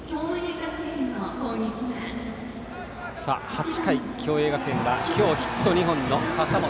８回、共栄学園は今日、ヒット２本の笹本。